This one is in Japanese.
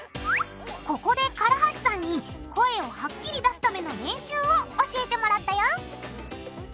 ここで唐橋さんに声をはっきり出すための練習を教えてもらったよ！